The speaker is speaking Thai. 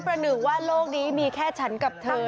ประหนึ่งว่าโลกนี้มีแค่ฉันกับเธอนะครับ